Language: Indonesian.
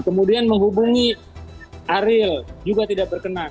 kemudian menghubungi ariel juga tidak berkenan